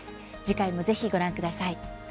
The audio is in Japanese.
次回もぜひ、ご覧ください。